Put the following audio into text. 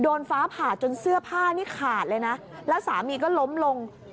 ฟ้าผ่าจนเสื้อผ้านี่ขาดเลยนะแล้วสามีก็ล้มลง